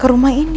ke rumah ini